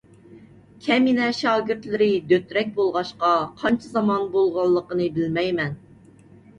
كەمىنە شاگىرتلىرى دۆترەك بولغاچقا، قانچە زامان بولغانلىقىنى بىلمەيمەن.